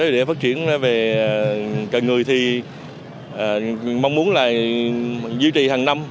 để phát triển về chợ người thì mong muốn là duy trì hàng năm